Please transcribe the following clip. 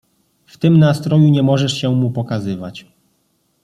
W tym nastroju nie możesz się mu pokazywać.